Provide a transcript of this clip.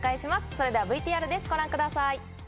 それではＶＴＲですご覧ください。